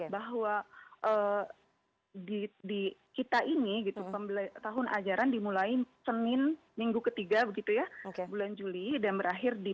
bahwa di kita ini gitu tahun ajaran dimulai senin minggu ketiga begitu ya bulan juli dan berakhir di